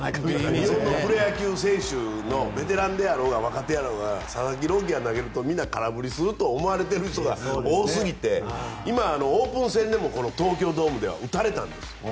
日本のプロ野球選手のベテランであろうが若手であろうが佐々木朗希が投げるとみんな空振りすると思う人が多すぎて今、オープン戦でも東京ドームでも打たれたんです。